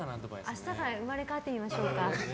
明日から生まれ変わってみましょうか。